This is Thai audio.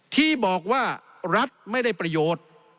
ที่บอกว่ารัฐไม่ได้ประโยชน์